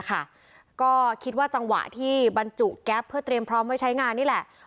ก็คิดว่าจังหวะที่บรรจุแก๊ปเพื่อเตรียมพร้อมไว้ใช้งานนี่แหละ